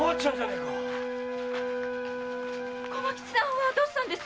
駒吉さんはどうしたんです？